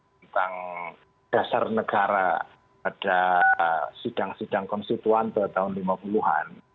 tentang dasar negara pada sidang sidang konstituan tahun lima puluh an